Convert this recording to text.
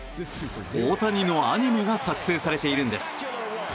大谷のアニメが作成されているんです。